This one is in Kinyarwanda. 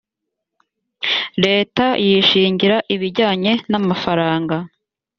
leta yishingira ibijyanye n’amafaranga